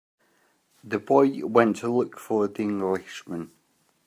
The boy went to look for the Englishman.